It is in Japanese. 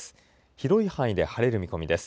広い範囲で晴れる見込みです。